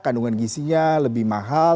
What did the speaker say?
kandungan gisinya lebih mahal